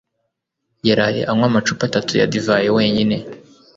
yaraye anywa amacupa atatu ya divayi wenyine